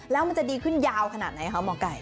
แล้วมันจะดีขึ้นยาวขนาดไหนคะหมอไก่